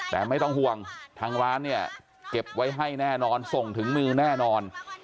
แต่ไม่ต้องห่วงทางร้านเนี่ยเก็บไว้ให้แน่นอนส่งถึงมือแน่นอน